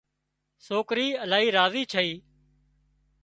سوڪرِي الاهي راضي ڇئي